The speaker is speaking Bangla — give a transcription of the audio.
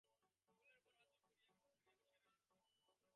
কোলের উপর হাত জোড় করিয়া চুপ করিয়া বসিয়া রহিল।